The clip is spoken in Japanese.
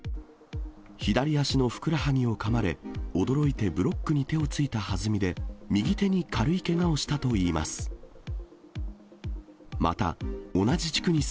左足のふくらはぎをかまれ、驚いてブロックに手をついたはずみで、右手に軽いけがをしたといいます。